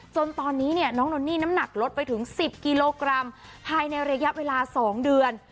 จนตอนนี้เนี่ยน้องนนนี่น้ำหนักลดไปถึง๑๐กิโลกรัมภายในระยะเวลา๒เดือน